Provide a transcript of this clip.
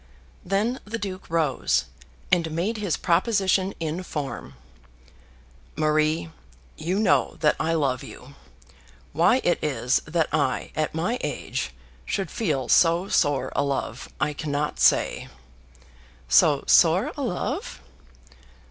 Then the Duke rose and made his proposition in form. "Marie, you know that I love you. Why it is that I at my age should feel so sore a love, I cannot say." "So sore a love!"